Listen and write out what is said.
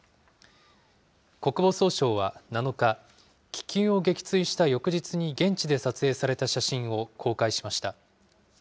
国防総省は７日、気球を撃墜した翌日に現地で撮影された写真を公開しました。